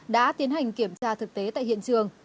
đã tiến hành kiểm tra thực tế tại hiện trường